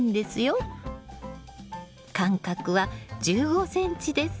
間隔は１５ｃｍです。